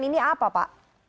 ini apa pak